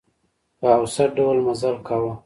په اوسط ډول مزل کاوه.